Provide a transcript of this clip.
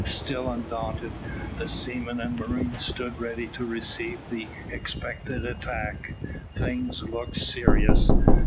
Still undaunted, the seamen and marines stood ready to receive the expected attack. Things looked serious.